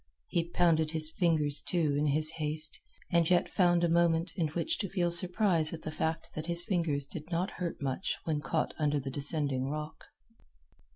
He pounded his fingers, too, in his haste, and yet found a moment in which to feel surprise at the fact that his fingers did not hurt much when caught under the descending rock.